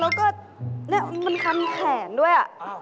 แล้วก็มันคันแขนด้วย